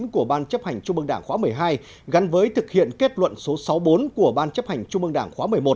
của ban chấp hành trung ương đảng khóa một mươi hai gắn với thực hiện kết luận số sáu mươi bốn của ban chấp hành trung mương đảng khóa một mươi một